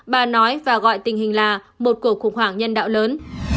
bà nói và gọi tình hình là một cuộc khủng hoảng nhân đạo lớn